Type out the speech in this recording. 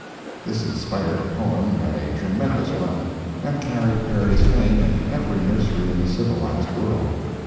This inspired poem had a tremendous run, and carried Perry's fame into every nursery in the civilized world.